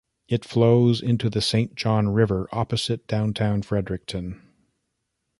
It flows into the Saint John River opposite downtown Fredericton.